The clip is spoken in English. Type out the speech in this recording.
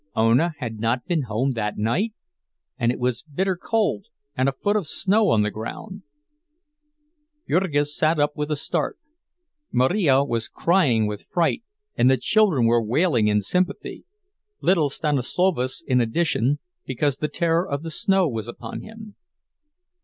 Ona had not been home that night! And it was bitter cold, and a foot of snow on the ground. Jurgis sat up with a start. Marija was crying with fright and the children were wailing in sympathy—little Stanislovas in addition, because the terror of the snow was upon him.